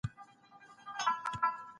يو تر دوو لږ دئ.